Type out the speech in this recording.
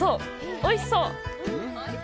おいしそう！